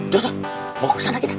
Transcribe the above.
dua dua bawa ke sana kita